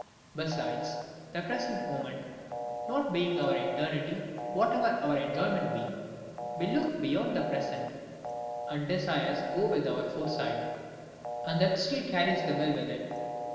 Besides, the present moment not being our eternity, whatever our enjoyment be, we look beyond the present, and desire goes with our foresight, and that still carries the will with it.